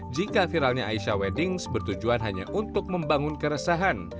jika viralnya aisyah wedding sebertujuan hanya untuk membangun keresahan